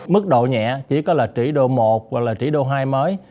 mức độ nhẹ chỉ có là trị độ một hoặc là trị độ hai mới